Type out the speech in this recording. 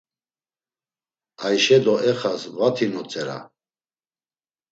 Ayşe do Exas vati notzera.